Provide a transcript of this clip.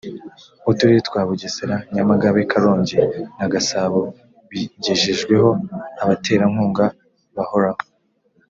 uturere twa bugesera nyamagabe karongi na gasabo bagejejweho abaterankunga bahoraho